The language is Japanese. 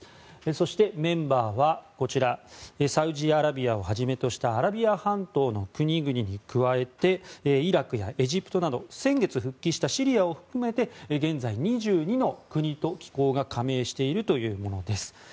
そして、メンバーはこちらサウジアラビアをはじめとしたアラビア半島の国々に加えてイラクやエジプトなど先月復帰したシリアを含めて現在２２の国と機構が加盟しているものです。